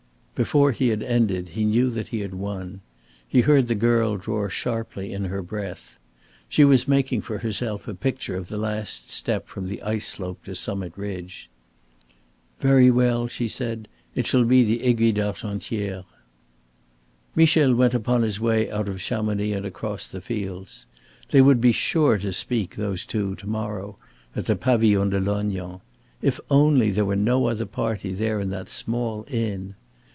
Before he had ended, he knew that he had won. He heard the girl draw sharply in her breath. She was making for herself a picture of the last step from the ice slope to summit ridge. "Very well," she said. "It shall be the Aiguille d'Argentière." Michel went upon his way out of Chamonix and across the fields. They would be sure to speak, those two, to morrow at the Pavillon de Lognan. If only there were no other party there in that small inn!